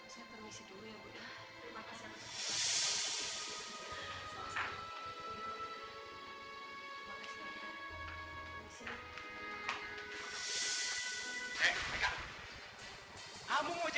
kalau begitu saya permisi dulu ya buddha